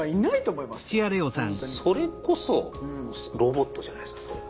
それこそロボットじゃないですかそれは。